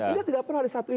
dia tidak pernah ada satu itu